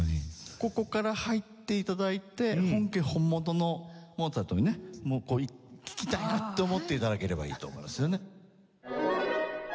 ここから入って頂いて本家本元のモーツァルトにね聴きたいなって思って頂ければいいと思うんですよね。